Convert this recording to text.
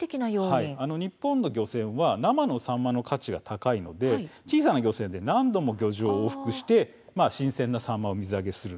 日本の漁船は生のサンマの価値が高いので小さな漁船で何度も漁場を往復して新鮮なサンマを水揚げする。